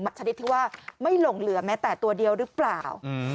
ชนิดที่ว่าไม่หลงเหลือแม้แต่ตัวเดียวหรือเปล่า